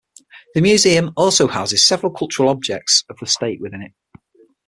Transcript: The museum also houses several cultural objects of the state within it.